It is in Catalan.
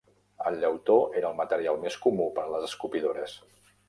El llautó era el material més comú per a les escopidores.